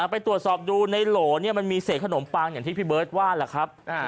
ไปตรวจสอบดูในโหลมันมีเศษขนมปังอย่างที่พี่เบิร์ตว่าแหละครับ